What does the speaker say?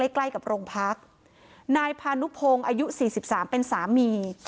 ใกล้กับโรงพักนายพานุพงศ์อายุ๔๓เป็นสามี